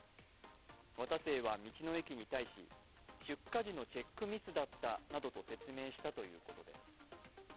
渡清は道の駅に対し、出荷時のチェックミスだったなどと説明したということです。